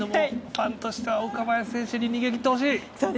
ファンとしては、岡林選手に逃げ切ってほしい。